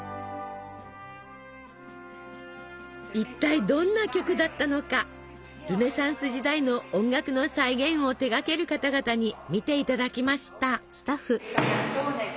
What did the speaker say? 一体どんな曲だったのかルネサンス時代の音楽の再現を手がける方々に見て頂きました。